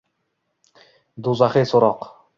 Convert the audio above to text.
do’zaxiy so’roq